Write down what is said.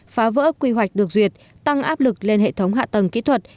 phá vỡ quy hoạch được duyệt tăng áp lực lên hệ thống hạ tầng kỹ thuật